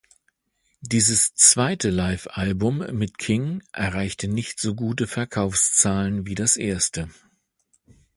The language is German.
Dieses zweite Livealbum mit King erreichte nicht so gute Verkaufszahlen wie das erste.